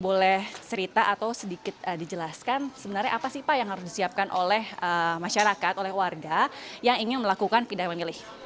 boleh cerita atau sedikit dijelaskan sebenarnya apa sih pak yang harus disiapkan oleh masyarakat oleh warga yang ingin melakukan pindah memilih